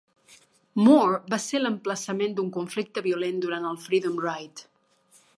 Moree va ser l'emplaçament d'un conflicte violent durant el Freedom Ride.